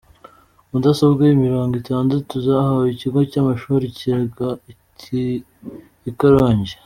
Mudasobwa mirongo itandatu zahawe ikigo cy’amashuri ikarongi